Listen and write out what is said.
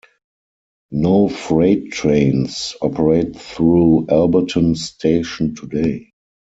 No freight trains operate through Alberton station today.